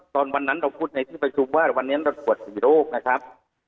ตอนนั้นเราพูดในที่ประชุมว่าวันนี้เราตรวจ๔โรคนะครับ